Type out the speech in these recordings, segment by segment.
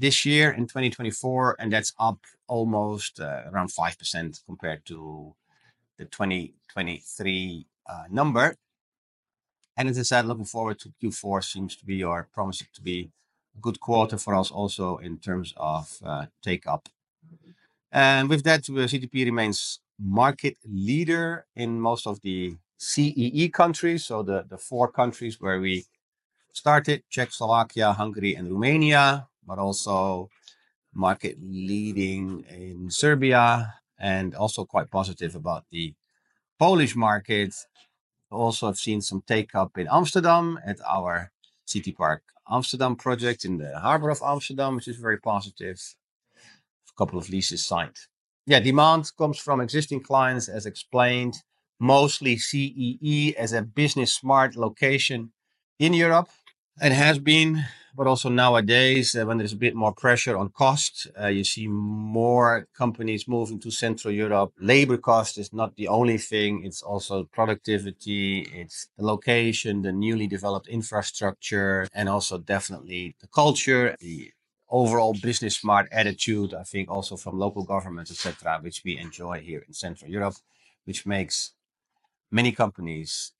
This year in 2024, and that's up almost around 5% compared to the 2023 number. And as I said, looking forward to Q4 seems to be or promises to be a good quarter for us also in terms of take up, and with that, CTP remains market leader in most of the CEE countries, so the four countries where we started: Czechoslovakia, Hungary, and Romania, but also market leading in Serbia, and also quite positive about the Polish market. Also have seen some take up in Amsterdam at our CTPark Amsterdam project in the harbor of Amsterdam, which is very positive. A couple of leases signed. Yeah, demand comes from existing clients, as explained, mostly CEE as a business smart location in Europe. It has been, but also nowadays, when there's a bit more pressure on cost, you see more companies moving to Central Europe. Labor cost is not the only thing. It's also productivity. It's the location, the newly developed infrastructure, and also definitely the culture, the overall business smart attitude, I think also from local governments, et cetera, which we enjoy here in Central Europe, which makes many companies,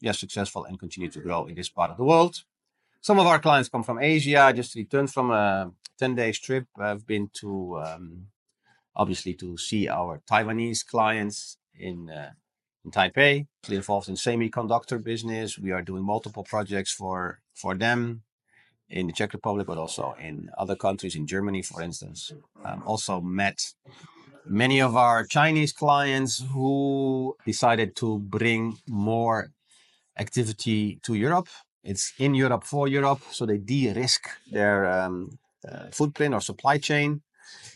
yeah, successful and continue to grow in this part of the world. Some of our clients come from Asia. Just returned from a 10-days trip. I've been to, obviously to see our Taiwanese clients in, in Taipei. Clearly involved in semiconductor business. We are doing multiple projects for, for them in the Czech Republic, but also in other countries, in Germany, for instance. Also met many of our Chinese clients who decided to bring more activity to Europe. It's in Europe for Europe. So they de-risk their, footprint or supply chain,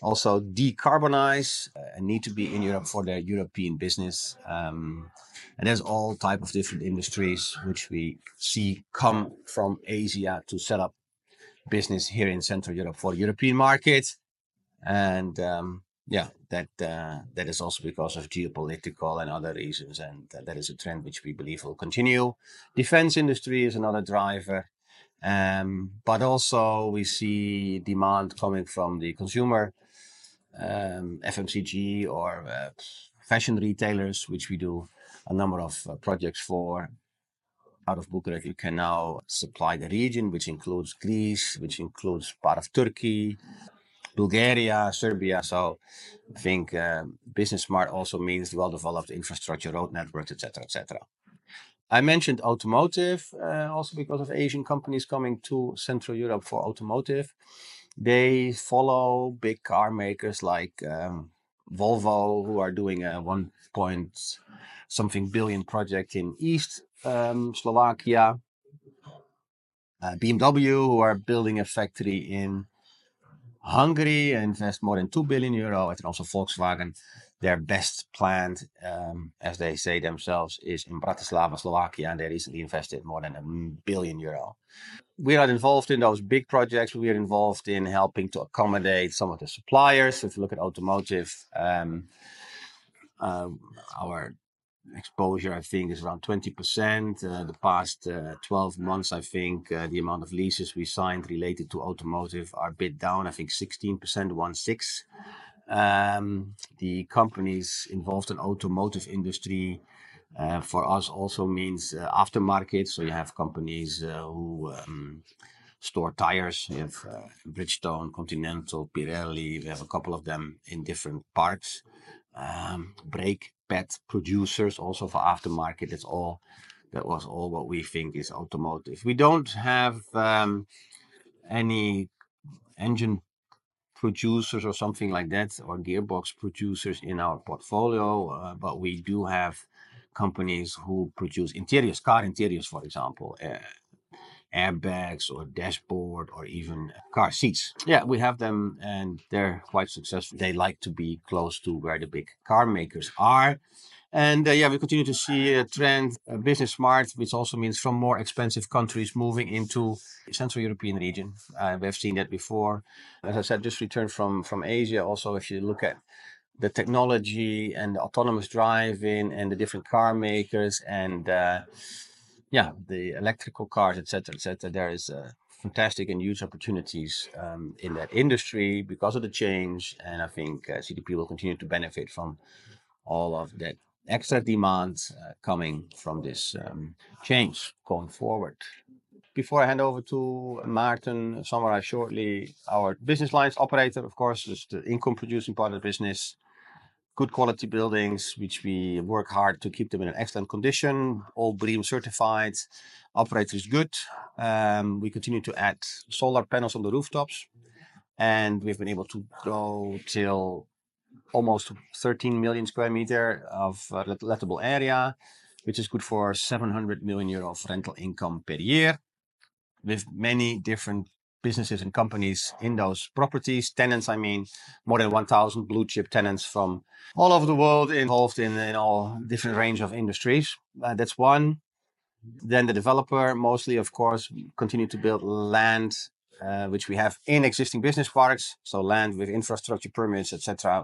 also decarbonize, and need to be in Europe for their European business. And there's all type of different industries which we see come from Asia to set up business here in Central Europe for European markets. And, yeah, that, that is also because of geopolitical and other reasons. And that is a trend which we believe will continue. Defense industry is another driver. But also we see demand coming from the consumer, FMCG or, fashion retailers, which we do a number of, projects for. Out of Bucharest, you can now supply the region, which includes Greece, which includes part of Turkey, Bulgaria, Serbia. So I think, business smart also means well-developed infrastructure, road networks, et cetera, et cetera. I mentioned automotive, also because of Asian companies coming to Central Europe for automotive. They follow big car makers like, Volvo, who are doing a one point something billion project in East Slovakia. BMW, who are building a factory in Hungary and invest more than 2 billion euro, and also Volkswagen, their best plant, as they say themselves, is in Bratislava, Slovakia, and they recently invested more than 1 billion euro. We are not involved in those big projects. We are involved in helping to accommodate some of the suppliers. If you look at automotive, our exposure, I think, is around 20%. In the past 12 months, I think, the amount of leases we signed related to automotive are a bit down, I think, 16%, 1.6%. The companies involved in automotive industry, for us also means aftermarket. So you have companies who store tires. We have Bridgestone, Continental, Pirelli. We have a couple of them in different parks. Brake pad producers also for aftermarket. That's all. That was all what we think is automotive. We don't have any engine producers or something like that or gearbox producers in our portfolio. But we do have companies who produce interiors, car interiors, for example, airbags or dashboard or even car seats. Yeah, we have them and they're quite successful. They like to be close to where the big car makers are. And yeah, we continue to see a trend, business smart, which also means from more expensive countries moving into the Central European region. We have seen that before. As I said, just returned from Asia. Also, if you look at the technology and the autonomous driving and the different car makers and yeah, the electric cars, et cetera, et cetera, there is fantastic and huge opportunities in that industry because of the change. And I think CTP will continue to benefit from all of that extra demand coming from this change going forward. Before I hand over to Maarten, summarize shortly our business lines. Operator, of course, is the income producing part of the business. Good quality buildings, which we work hard to keep them in an excellent condition. All BREEAM certified. Operator is good. We continue to add solar panels on the rooftops, and we've been able to grow till almost 13 million sq m of lettable area, which is good for 700 million euro of rental income per year. With many different businesses and companies in those properties. Tenants, I mean, more than 1,000 blue chip tenants from all over the world involved in in all different range of industries. That's one. Then the developer, mostly, of course, continue to build land, which we have in existing business parks. So land with infrastructure permits, et cetera.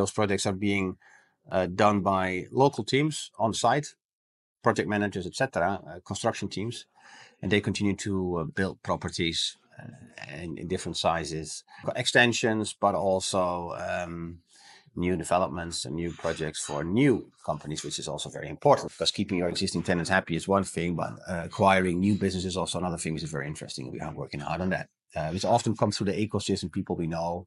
Those projects are being done by local teams on site, project managers, et cetera, construction teams. They continue to build properties in different sizes, extensions, but also new developments and new projects for new companies, which is also very important because keeping your existing tenants happy is one thing, but acquiring new business is also another thing, which is very interesting. We are working hard on that. It's often come through the ecosystem people we know.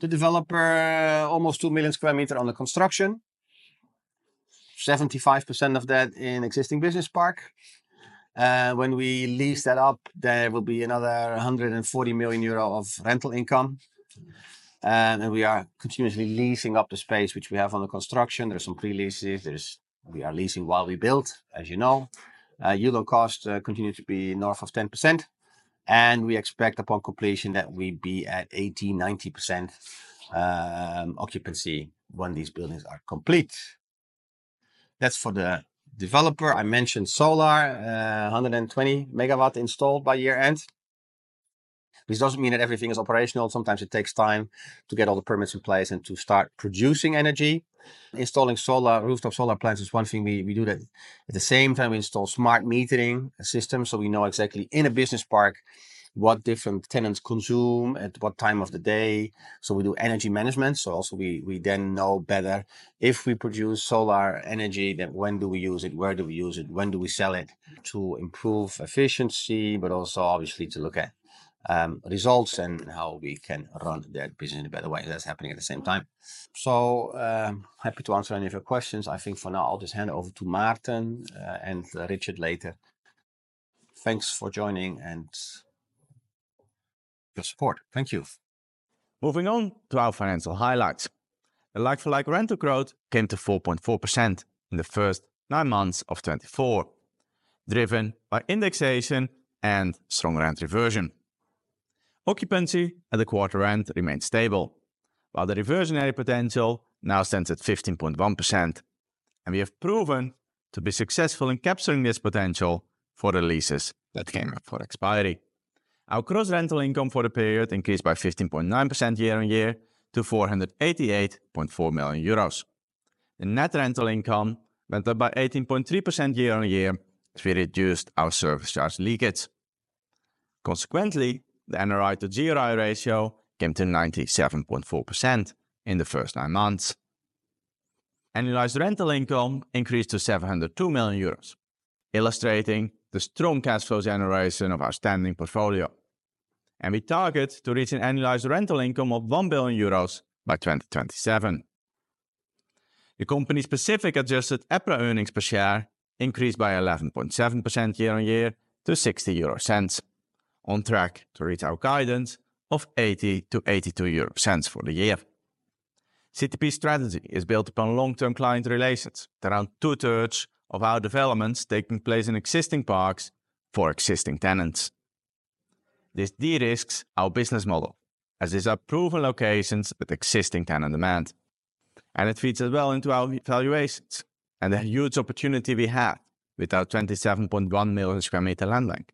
The developer has almost 2 million sq m on the construction, 75% of that in existing business park. When we lease that up, there will be another 140 million euro of rental income. We are continuously leasing up the space, which we have on the construction. There's some pre-leases. There's, we are leasing while we build, as you know. Unit costs continue to be north of 10%. We expect upon completion that we be at 80%-90% occupancy when these buildings are complete. That's for the developer. I mentioned solar, 120 MW installed by year-end. This doesn't mean that everything is operational. Sometimes it takes time to get all the permits in place and to start producing energy. Installing solar rooftop solar plants is one thing we do that at the same time we install smart metering systems. So we know exactly in a business park what different tenants consume at what time of the day. So we do energy management. So also we then know better if we produce solar energy, then when do we use it, where do we use it, when do we sell it. To improve efficiency, but also obviously to look at results and how we can run that business in a better way. That's happening at the same time. So, happy to answer any of your questions. I think for now I'll just hand over to Maarten, and Richard later. Thanks for joining and your support. Thank you. Moving on to our financial highlights. The like-for-like rental growth came to 4.4% in the first nine months of 2024, driven by indexation and stronger rent reversion. Occupancy at the quarter end remained stable, while the reversionary potential now stands at 15.1%, and we have proven to be successful in capturing this potential for the leases that came before expiry. Our gross rental income for the period increased by 15.9% year-on-year to 488.4 million euros. The net rental income went up by 18.3% year-on-year as we reduced our service charge leakage. Consequently, the NRI to GRI ratio came to 97.4% in the first nine months. Annualized rental income increased to 702 million euros, illustrating the strong cash flows generation of our standing portfolio, and we target to reach an annualized rental income of 1 billion euros by 2027. The company-specific adjusted EPRA earnings per share increased by 11.7% year-on-year to 0.60, on track to reach our guidance of 0.80-0.82 euro for the year. CTP's strategy is built upon long-term client relations, around 2/3 of our developments taking place in existing parks for existing tenants. This de-risks our business model as these are proven locations with existing tenant demand, and it feeds as well into our valuations and the huge opportunity we have with our 27.1 million sq m land bank.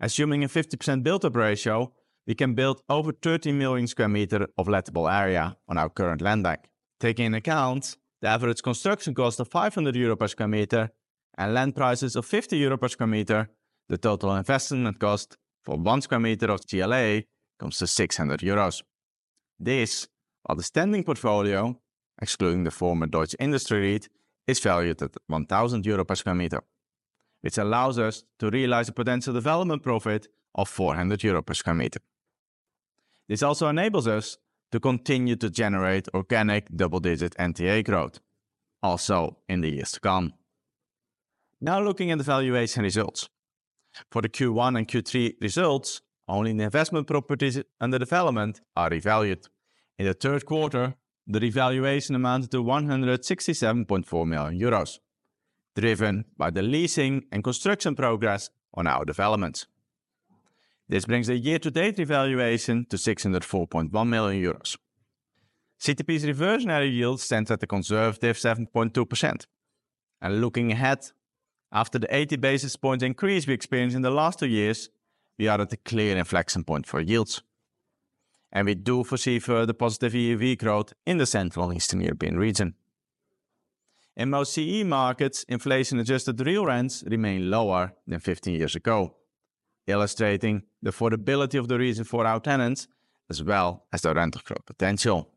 Assuming a 50% build-up ratio, we can build over 30 million sq m of lettable area on our current land bank. Taking into account the average construction cost of 500 euro per sq m and land prices of 50 euro per sq m, the total investment cost for one sq m of GLA comes to 600 euros. This, while the standing portfolio, excluding the former Deutsche Industrie REIT, is valued at 1,000 euro per sq m, which allows us to realize a potential development profit of 400 euro per sq m. This also enables us to continue to generate organic double-digit NTA growth also in the years to come. Now looking at the valuation results. For the Q1 and Q3 results, only the investment properties under development are revalued. In the third quarter, the revaluation amounted to 167.4 million euros, driven by the leasing and construction progress on our developments. This brings the year-to-date revaluation to 604.1 million euros. CTP's reversionary yield stands at a conservative 7.2%. And looking ahead, after the 80 basis points increase we experienced in the last two years, we are at a clear inflection point for yields. And we do foresee further positive ERV growth in the Central and Eastern European region. In most CEE markets, inflation-adjusted real rents remain lower than 15 years ago, illustrating the affordability of the region for our tenants, as well as the rental growth potential.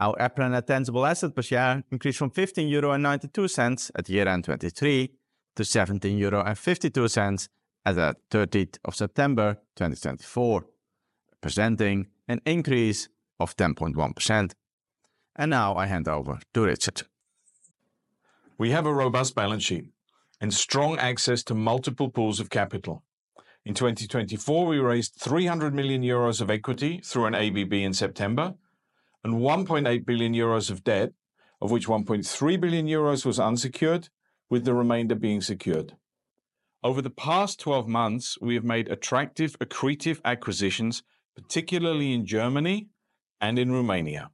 Our EPRA NTA per share increased from 15.92 euro at year-end 2023 to 17.52 euro as of 30th of September 2024, representing an increase of 10.1%. Now I hand over to Richard. We have a robust balance sheet and strong access to multiple pools of capital. In 2024, we raised 300 million euros of equity through an ABB in September and 1.8 billion euros of debt, of which 1.3 billion euros was unsecured, with the remainder being secured. Over the past 12 months, we have made attractive accretive acquisitions, particularly in Germany and in Romania,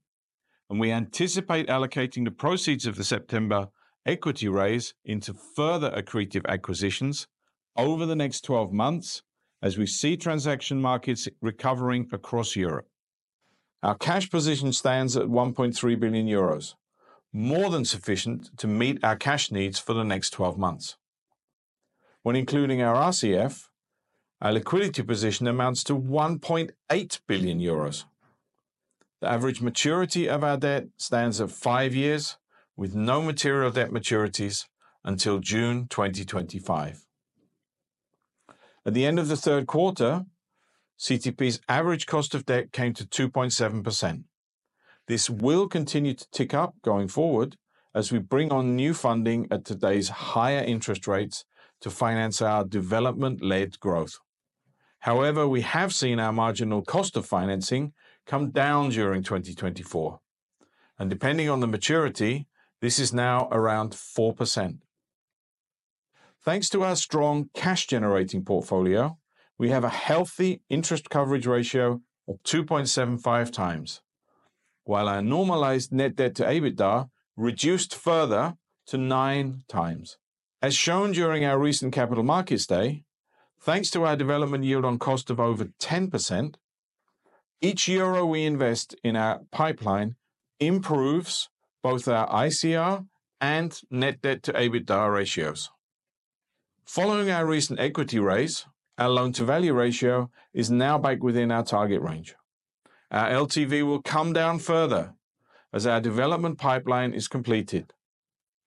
and we anticipate allocating the proceeds of the September equity raise into further accretive acquisitions over the next 12 months as we see transaction markets recovering across Europe. Our cash position stands at 1.3 billion euros, more than sufficient to meet our cash needs for the next 12 months. When including our RCF, our liquidity position amounts to 1.8 billion euros. The average maturity of our debt stands at five years with no material debt maturities until June 2025. At the end of the third quarter, CTP's average cost of debt came to 2.7%. This will continue to tick up going forward as we bring on new funding at today's higher interest rates to finance our development-led growth. However, we have seen our marginal cost of financing come down during 2024, and depending on the maturity, this is now around 4%. Thanks to our strong cash-generating portfolio, we have a healthy interest coverage ratio of 2.75x, while our normalized net debt to EBITDA reduced further to 9x. As shown during our recent Capital Markets Day, thanks to our development yield on cost of over 10%, each euro we invest in our pipeline improves both our ICR and net debt to EBITDA ratios. Following our recent equity raise, our loan-to-value ratio is now back within our target range. Our LTV will come down further as our development pipeline is completed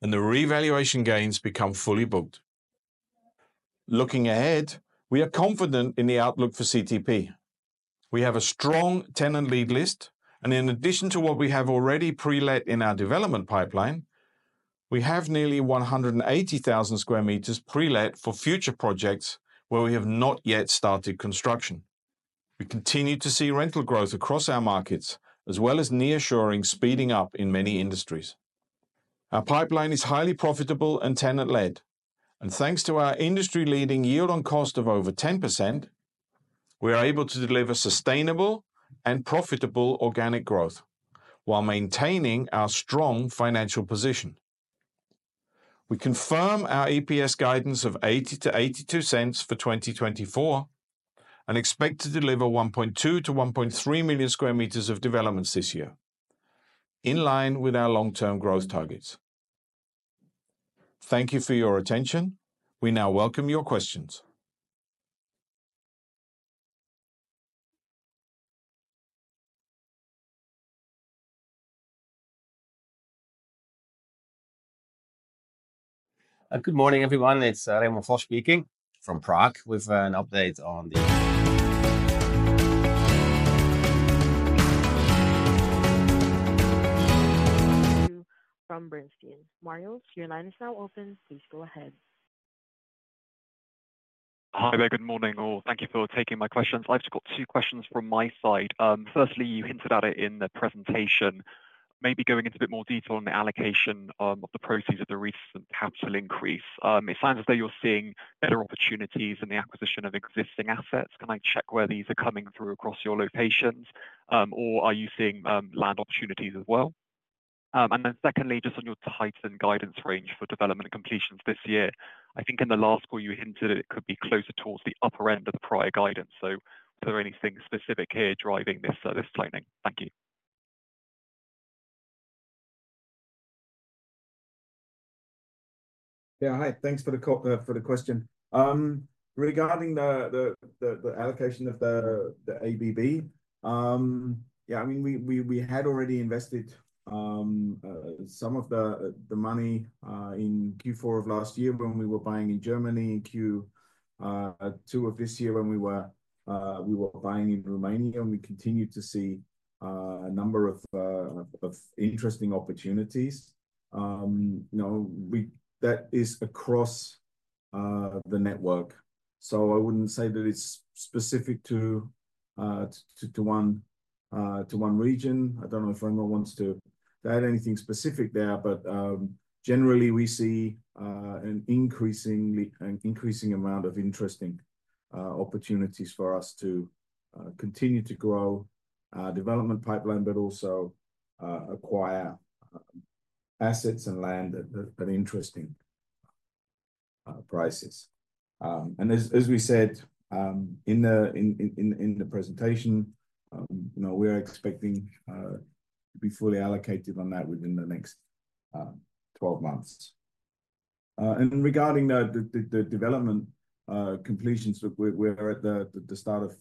and the revaluation gains become fully booked. Looking ahead, we are confident in the outlook for CTP. We have a strong tenant lead list, and in addition to what we have already pre-let in our development pipeline, we have nearly 180,000 sq m pre-let for future projects where we have not yet started construction. We continue to see rental growth across our markets, as well as nearshoring speeding up in many industries. Our pipeline is highly profitable and tenant-led, and thanks to our industry-leading yield on cost of over 10%, we are able to deliver sustainable and profitable organic growth while maintaining our strong financial position. We confirm our EPS guidance of 0.80-0.82 for 2024 and expect to deliver 1.2-1.3 million sq m of developments this year, in line with our long-term growth targets. Thank you for your attention. We now welcome your questions. Good morning, everyone. It's Remon Vos speaking from Prague with an update on. From Bernstein. Marios, your line is now open. Please go ahead. Hi there. Good morning, all. Thank you for taking my questions. I've just got two questions from my side. Firstly, you hinted at it in the presentation, maybe going into a bit more detail on the allocation of the proceeds of the recent capital increase. It sounds as though you're seeing better opportunities in the acquisition of existing assets. Can I check where these are coming through across your locations, or are you seeing land opportunities as well? And then secondly, just on your tightened guidance range for development and completions this year, I think in the last call you hinted it could be closer towards the upper end of the prior guidance. So is there anything specific here driving this timing? Thank you. Yeah, hi. Thanks for the question. Regarding the allocation of the ABB, yeah, I mean, we had already invested some of the money in Q4 of last year when we were buying in Germany, Q2 of this year when we were buying in Romania, and we continued to see a number of interesting opportunities. That is across the network. So I wouldn't say that it's specific to one region. I don't know if Remon wants to add anything specific there, but generally we see an increasing amount of interesting opportunities for us to continue to grow our development pipeline, but also acquire assets and land at interesting prices. And as we said in the presentation, we are expecting to be fully allocated on that within the next 12 months. Regarding the development completions, we're at the start of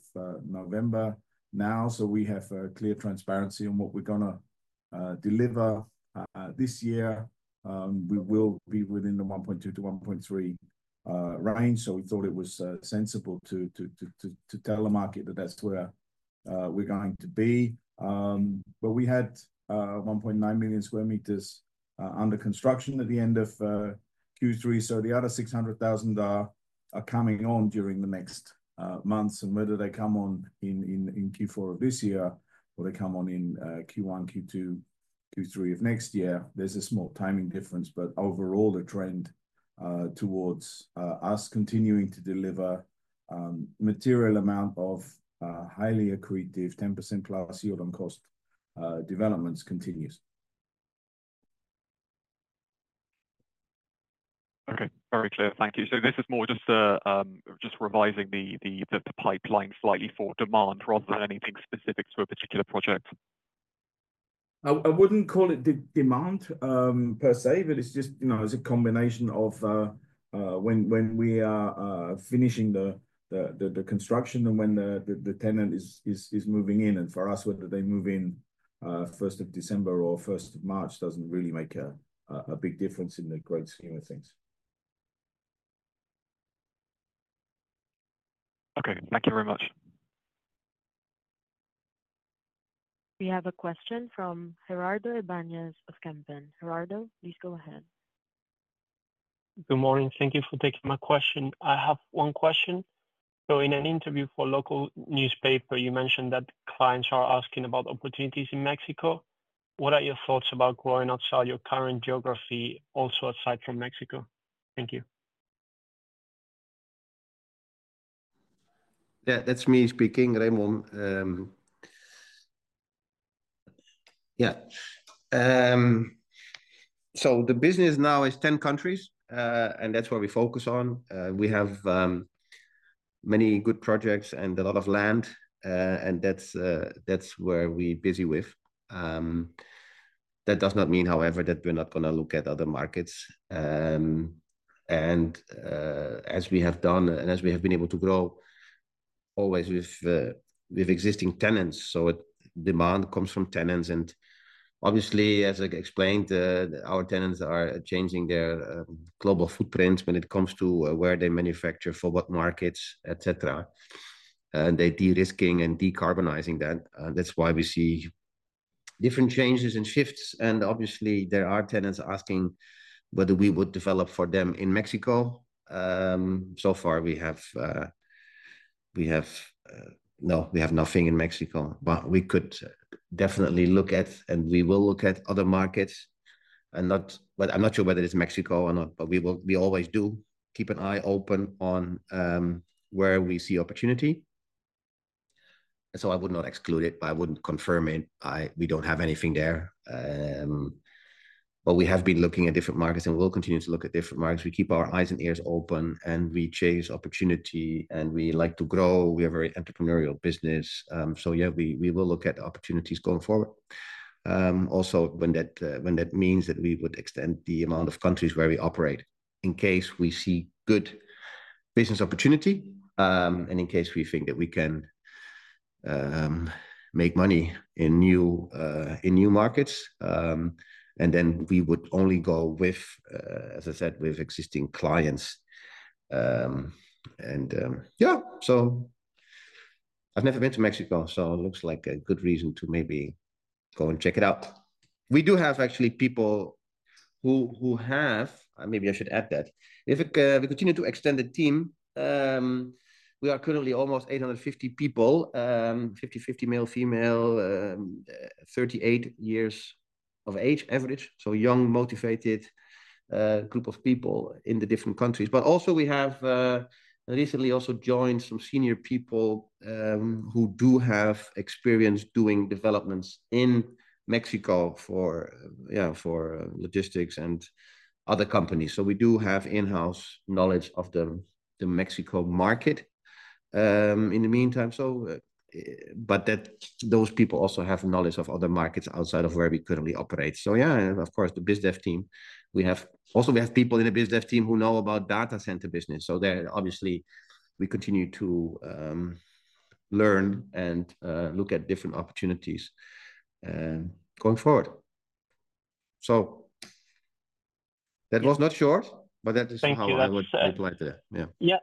November now, so we have a clear transparency on what we're going to deliver this year. We will be within the 1.2-1.3 range, so we thought it was sensible to tell the market that that's where we're going to be. But we had 1.9 million sq m under construction at the end of Q3, so the other 600,000 are coming on during the next months. Whether they come on in Q4 of this year or they come on in Q1, Q2, Q3 of next year, there's a small timing difference, but overall the trend towards us continuing to deliver a material amount of highly accretive 10%+ yield on cost developments continues. Okay, very clear. Thank you. So this is more just revising the pipeline slightly for demand rather than anything specific to a particular project. I wouldn't call it demand per se, but it's just a combination of when we are finishing the construction and when the tenant is moving in, and for us, whether they move in 1st of December or 1st of March doesn't really make a big difference in the great scheme of things. Okay, thank you very much. We have a question from Gerardo Ibáñez of Kempen. Gerardo, please go ahead. Good morning. Thank you for taking my question. I have one question. So in an interview for a local newspaper, you mentioned that clients are asking about opportunities in Mexico. What are your thoughts about growing outside your current geography, also aside from Mexico? Thank you. Yeah, that's me speaking, Remon. Yeah. So the business now is 10 countries, and that's what we focus on. We have many good projects and a lot of land, and that's where we're busy with. That does not mean, however, that we're not going to look at other markets, and as we have done and as we have been able to grow always with existing tenants, so demand comes from tenants, and obviously, as I explained, our tenants are changing their global footprints when it comes to where they manufacture for what markets, etc., and they're de-risking and decarbonizing that. That's why we see different changes and shifts, and obviously, there are tenants asking whether we would develop for them in Mexico, so far, we have no, we have nothing in Mexico, but we could definitely look at, and we will look at other markets. But I'm not sure whether it's Mexico or not, but we always do keep an eye open on where we see opportunity. And so I would not exclude it, but I wouldn't confirm it. We don't have anything there. But we have been looking at different markets, and we'll continue to look at different markets. We keep our eyes and ears open, and we chase opportunity, and we like to grow. We are a very entrepreneurial business. So yeah, we will look at opportunities going forward. Also, when that means that we would extend the amount of countries where we operate in case we see good business opportunity, and in case we think that we can make money in new markets, and then we would only go with, as I said, with existing clients. Yeah, so I've never been to Mexico, so it looks like a good reason to maybe go and check it out. We do have actually people who have, maybe I should add that. If we continue to extend the team, we are currently almost 850 people, 50/50 male, female, 38 years of age average, so young, motivated group of people in the different countries. But also we have recently also joined some senior people who do have experience doing developments in Mexico for logistics and other companies. So we do have in-house knowledge of the Mexico market in the meantime. But those people also have knowledge of other markets outside of where we currently operate. So yeah, of course, the BizDev team, we have also people in the BizDev team who know about data center business. So obviously, we continue to learn and look at different opportunities going forward. So that was not short, but that is how I would reply to that. Yeah. Yeah.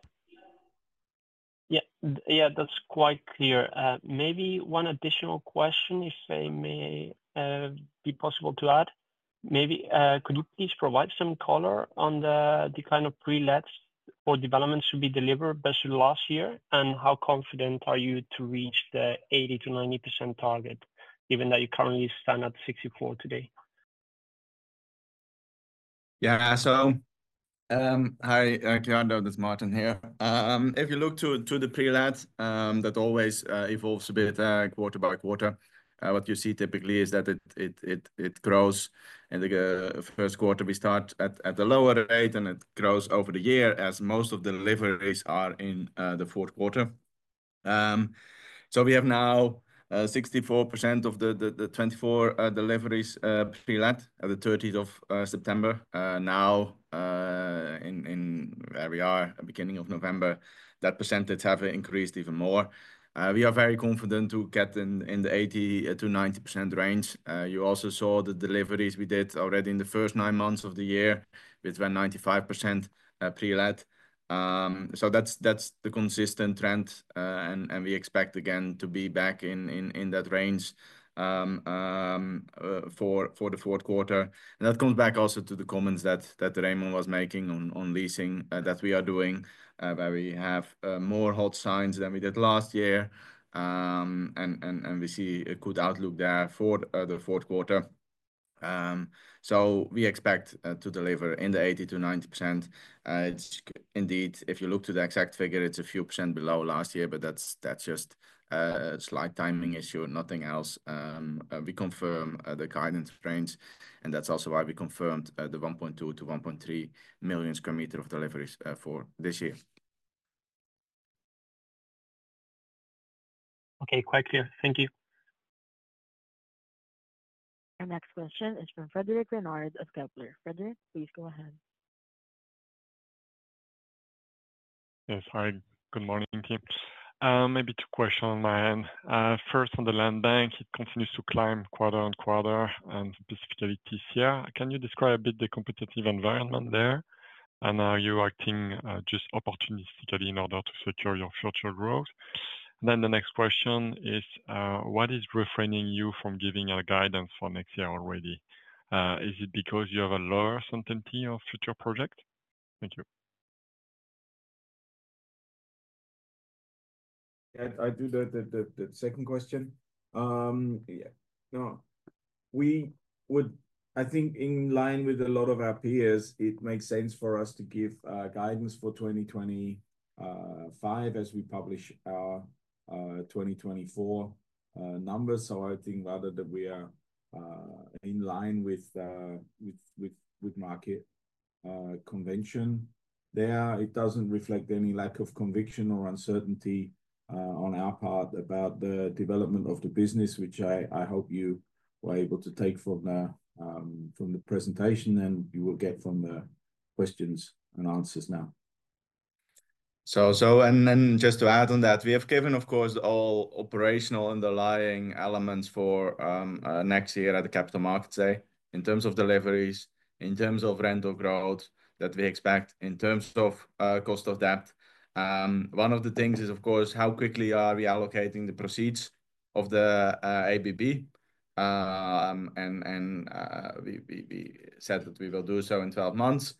Yeah, that's quite clear. Maybe one additional question, if I may, be possible to add. Maybe could you please provide some color on the kind of pre-lets or developments to be delivered best last year and how confident are you to reach the 80%-90% target, given that you currently stand at 64% today? Yeah, so hi, Gerardo. This is Maarten here. If you look to the pre-lets, that always evolves a bit quarter-by-quarter. What you see typically is that it grows. In the first quarter, we start at the lower rate, and it grows over the year as most of the deliveries are in the fourth quarter. So we have now 64% of the 24 deliveries pre-let at the 30th of September. Now, where we are, beginning of November, that percentage has increased even more. We are very confident to get in the 80%-90% range. You also saw the deliveries we did already in the first nine months of the year, which were 95% pre-let. So that's the consistent trend, and we expect again to be back in that range for the fourth quarter. That comes back also to the comments that Remon was making on leasing that we are doing, where we have more hot signs than we did last year, and we see a good outlook there for the fourth quarter. We expect to deliver in the 80%-90%. Indeed, if you look to the exact figure, it's a few percent below last year, but that's just a slight timing issue, nothing else. We confirm the guidance range, and that's also why we confirmed the 1.2-1.3 million sq m of deliveries for this year. Okay, quite clear. Thank you. Our next question is from Frédéric Renard of Kepler. Frédéric, please go ahead. Yes, hi. Good morning, team. Maybe two questions on my end. First, on the land bank, it continues to climb quarter-on-quarter, and specifically this year. Can you describe a bit the competitive environment there, and are you acting just opportunistically in order to secure your future growth? Then the next question is, what is refraining you from giving a guidance for next year already? Is it because you have a lower certainty of future projects? Thank you. I do the second question. Yeah, no. I think in line with a lot of our peers, it makes sense for us to give guidance for 2025 as we publish our 2024 numbers. So I think rather than we are in line with market convention. There, it doesn't reflect any lack of conviction or uncertainty on our part about the development of the business, which I hope you were able to take from the presentation and you will get from the questions and answers now. And then just to add on that, we have given, of course, all operational underlying elements for next year at the capital markets day in terms of deliveries, in terms of rental growth that we expect, in terms of cost of debt. One of the things is, of course, how quickly are we allocating the proceeds of the ABB? And we said that we will do so in 12 months.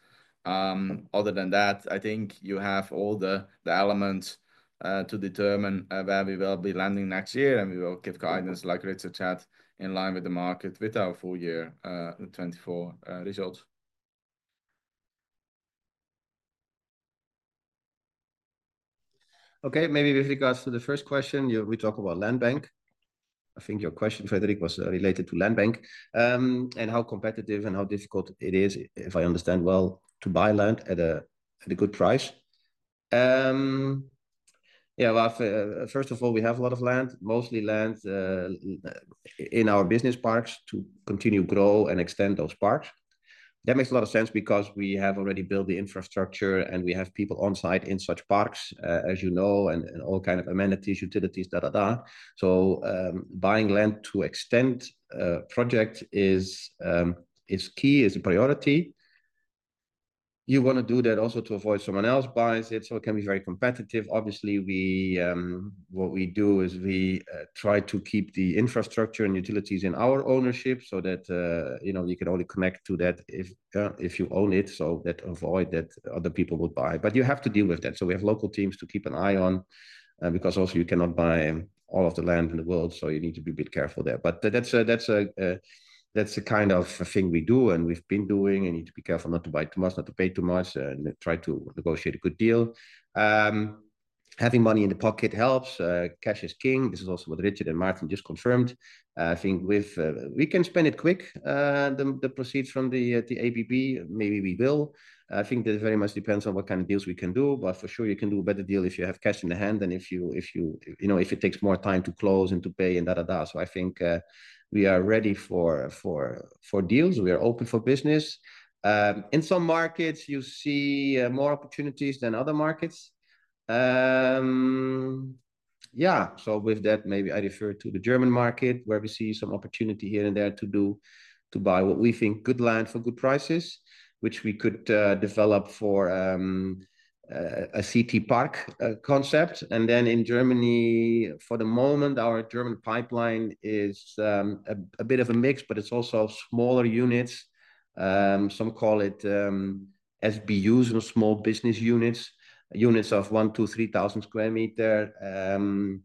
Other than that, I think you have all the elements to determine where we will be landing next year, and we will give guidance like Richard said, in line with the market with our full year 2024 results. Okay, maybe with regards to the first question, we talk about land bank. I think your question, Frédéric, was related to land bank and how competitive and how difficult it is, if I understand well, to buy land at a good price. Yeah, first of all, we have a lot of land, mostly land in our business parks to continue to grow and extend those parks. That makes a lot of sense because we have already built the infrastructure and we have people on site in such parks, as you know, and all kinds of amenities, utilities, da da da. So buying land to extend a project is key, is a priority. You want to do that also to avoid someone else buying it, so it can be very competitive. Obviously, what we do is we try to keep the infrastructure and utilities in our ownership so that you can only connect to that if you own it, so that avoid that other people would buy. But you have to deal with that. We have local teams to keep an eye on because also you cannot buy all of the land in the world, so you need to be a bit careful there. That's the kind of thing we do and we've been doing. You need to be careful not to buy too much, not to pay too much, and try to negotiate a good deal. Having money in the pocket helps. Cash is king. This is also what Richard and Maarten just confirmed. I think we can spend it quick, the proceeds from the ABB. Maybe we will. I think that very much depends on what kind of deals we can do, but for sure, you can do a better deal if you have cash in the hand than if it takes more time to close and to pay and da da da. I think we are ready for deals. We are open for business. In some markets, you see more opportunities than other markets. Yeah, so with that, maybe I refer to the German market where we see some opportunity here and there to buy what we think good land for good prices, which we could develop for a CTPark concept. And then in Germany, for the moment, our German pipeline is a bit of a mix, but it's also smaller units. Some call it SBUs, small business units, units of 1,000-3,000 sq m.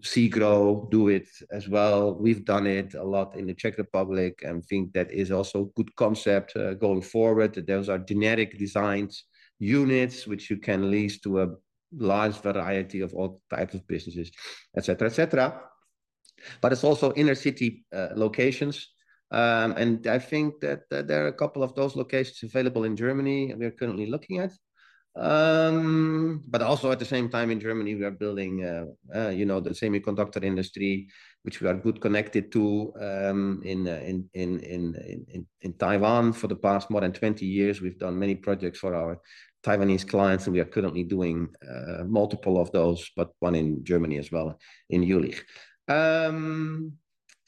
Segro do it as well. We've done it a lot in the Czech Republic and think that is also a good concept going forward. Those are generically designed units, which you can lease to a large variety of all types of businesses, etc., etc. But it's also inner city locations. And I think that there are a couple of those locations available in Germany, we are currently looking at. But also at the same time in Germany, we are building the semiconductor industry, which we are well connected to in Taiwan. For the past more than 20 years, we've done many projects for our Taiwanese clients, and we are currently doing multiple of those, but one in Germany as well in Jülich.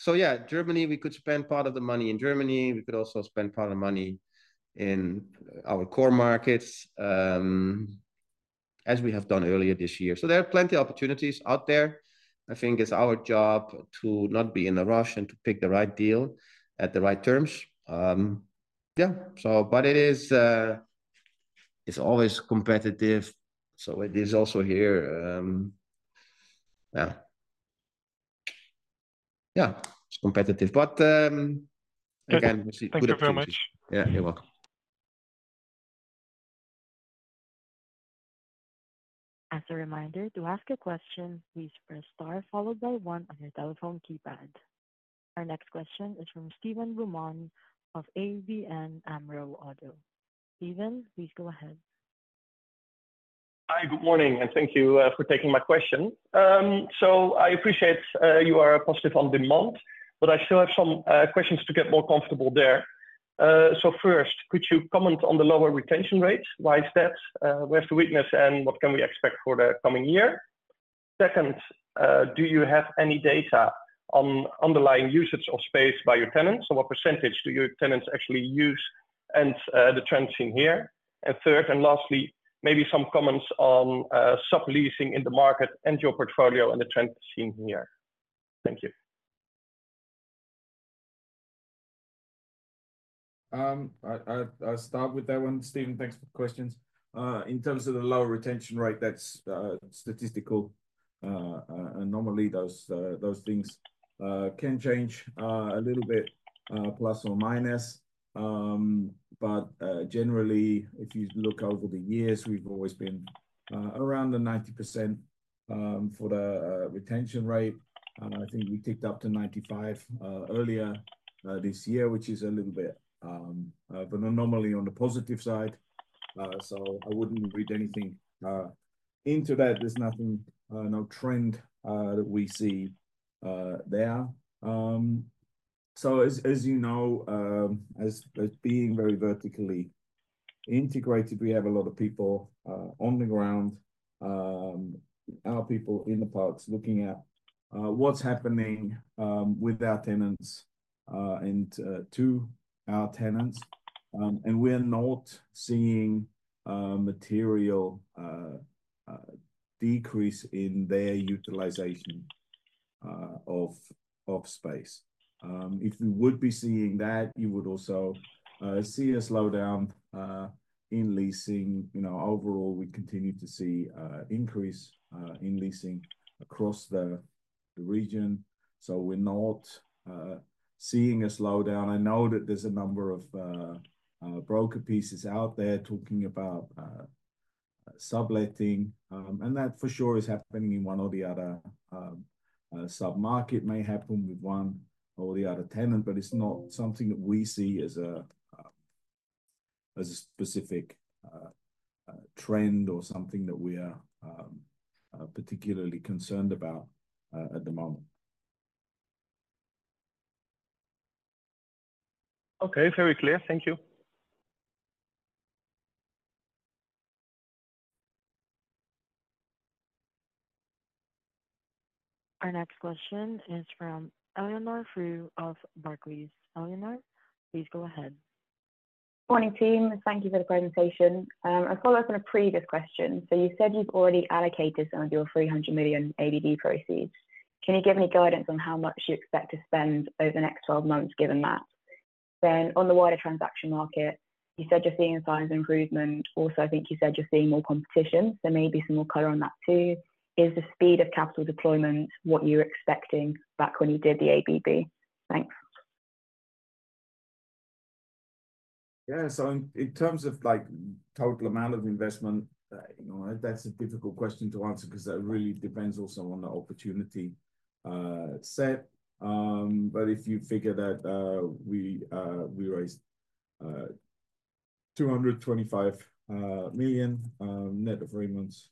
So yeah, Germany, we could spend part of the money in Germany. We could also spend part of the money in our core markets, as we have done earlier this year. So there are plenty of opportunities out there. I think it's our job to not be in a rush and to pick the right deal at the right terms. Yeah, but it is always competitive. So it is also here. Yeah. Yeah, it's competitive. But again, we see good opportunities. Thank you very much. Yeah, you're welcome. As a reminder, to ask a question, please press star followed by one on your telephone keypad. Our next question is from Steven Boumans of ABN AMRO-ODDO. Steven, please go ahead. Hi, good morning, and thank you for taking my question. So I appreciate you are positive on demand, but I still have some questions to get more comfortable there. So first, could you comment on the lower retention rates? Why is that? Where's the weakness, and what can we expect for the coming year? Second, do you have any data on underlying usage of space by your tenants? So what percentage do your tenants actually use and the trends seen here? And third and lastly, maybe some comments on sub-leasing in the market and your portfolio and the trends seen here. Thank you. I'll start with that one. Steven, thanks for the questions. In terms of the low retention rate, that's statistical. Normally, those things can change a little bit, plus or minus. But generally, if you look over the years, we've always been around the 90% for the retention rate. I think we ticked up to 95% earlier this year, which is a little bit of an anomaly on the positive side. So I wouldn't read anything into that. There's nothing, no trend that we see there. So as you know, as being very vertically integrated, we have a lot of people on the ground, our people in the parks looking at what's happening with our tenants and to our tenants. And we are not seeing material decrease in their utilization of space. If we would be seeing that, you would also see a slowdown in leasing. Overall, we continue to see an increase in leasing across the region. So we're not seeing a slowdown. I know that there's a number of broker pieces out there talking about subletting. And that for sure is happening in one or the other sub-market. It may happen with one or the other tenant, but it's not something that we see as a specific trend or something that we are particularly concerned about at the moment. Okay, very clear. Thank you. Our next question is from Eleanor Frew of Barclays. Eleanor, please go ahead. Morning, team. Thank you for the presentation. I follow up on a previous question. So you said you've already allocated some of your 300 million ABB proceeds. Can you give any guidance on how much you expect to spend over the next 12 months given that? Then on the wider transaction market, you said you're seeing a sign of improvement. Also, I think you said you're seeing more competition, so maybe some more color on that too. Is the speed of capital deployment what you were expecting back when you did the ABB? Thanks. Yeah, so in terms of total amount of investment, that's a difficult question to answer because that really depends also on the opportunity set. But if you figure that we raised 225 million net of Remon's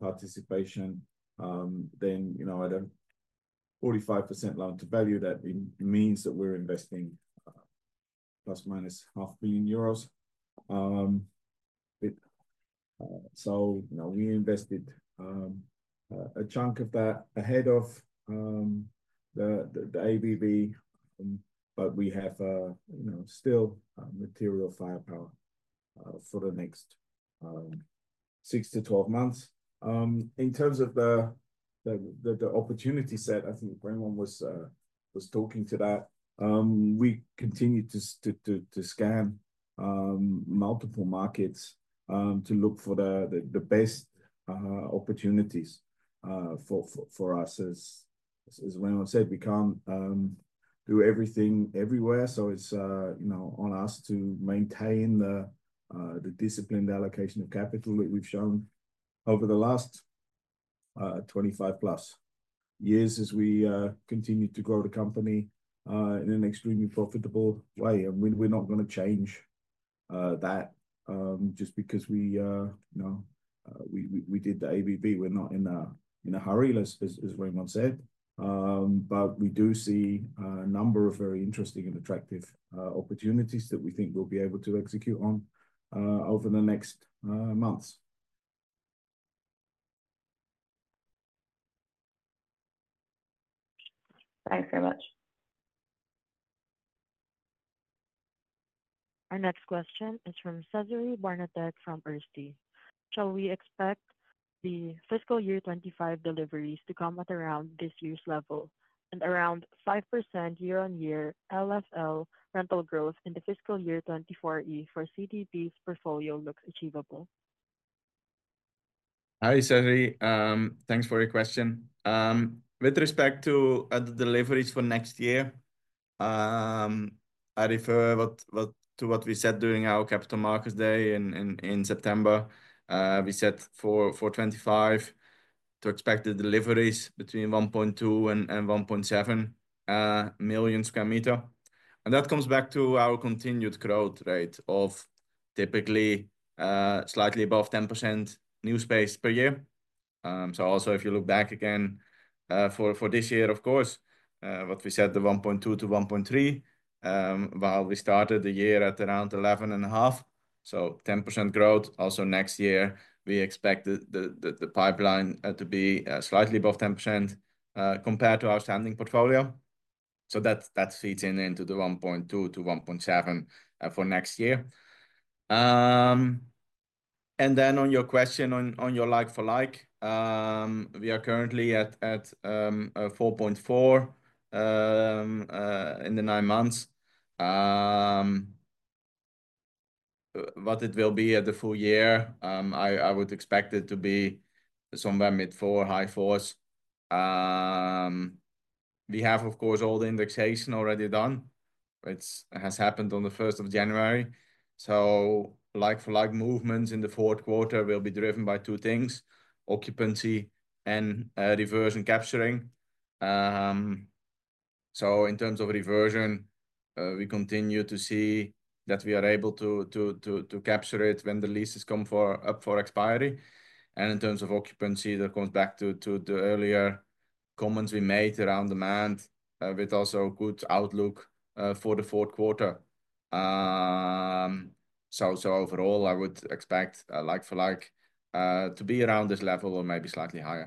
participation, then at a 45% loan to value, that means that we're investing plus or minus EUR 500,000. So we invested a chunk of that ahead of the ABB, but we have still material firepower for the next six to 12 months. In terms of the opportunity set, I think Remon was talking to that. We continue to scan multiple markets to look for the best opportunities for us. As Remon said, we can't do everything everywhere, so it's on us to maintain the disciplined allocation of capital that we've shown over the last 25+ years as we continue to grow the company in an extremely profitable way. We're not going to change that just because we did the ABB. We're not in a hurry, as Remon said. We do see a number of very interesting and attractive opportunities that we think we'll be able to execute on over the next months. Thanks very much. Our next question is from Cezary Bernatek from Erste Group. Shall we expect the fiscal year 2025 deliveries to come at around this year's level and around 5% year-on-year LFL rental growth in the fiscal year 2024E for CTP's portfolio looks achievable? Hi, Cezary. Thanks for your question. With respect to the deliveries for next year, I refer to what we said during our capital markets day in September. We said for 2025 to expect the deliveries between 1.2-1.7 million sq m. And that comes back to our continued growth rate of typically slightly above 10% new space per year. So also, if you look back again for this year, of course, what we said, the 1.2-1.3, while we started the year at around 11.5. So 10% growth. Also next year, we expect the pipeline to be slightly above 10% compared to our standing portfolio. So that feeds into the 1.2-1.7 for next year. And then on your question, on your like-for-like, we are currently at 4.4 in the nine months. What it will be at the full year, I would expect it to be somewhere mid four, high fours. We have, of course, all the indexation already done. It has happened on the 1st of January. So like for like movements in the fourth quarter will be driven by two things: occupancy and reversion capturing. So in terms of reversion, we continue to see that we are able to capture it when the leases come up for expiry. And in terms of occupancy, that comes back to the earlier comments we made around demand with also good outlook for the fourth quarter. So overall, I would expect like for like to be around this level or maybe slightly higher.